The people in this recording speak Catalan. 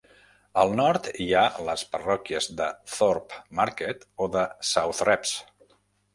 Al nord hi ha les parròquies de Thorpe Market o de Southrepps.